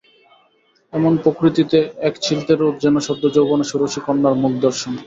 এমন প্রকৃতিতে একচিলতে রোদ যেন সদ্য যৌবনা ষোড়শী কন্যার মুখ দর্শন।